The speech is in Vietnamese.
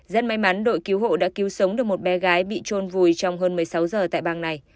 rất may mắn đội cứu hộ đã cứu sống được một bé gái bị trôn vùi trong hơn một mươi sáu giờ tại bang này